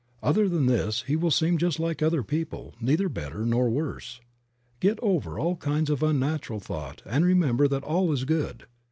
Other than this he will seem just like other people, neither better nor worse. Get over all kinds of unnatural thought and remember that all is good.